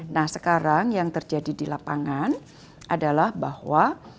nah sekarang yang terjadi di lapangan adalah bahwa